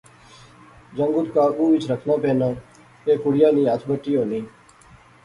جنگت قابو وچ رکھنا پینا، ایہہ کڑیا نی ہتھ بٹی ہونی